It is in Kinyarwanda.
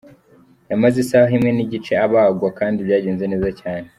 Yamaze isaha imwe nigice abagwa kandi byagenze neza cyane.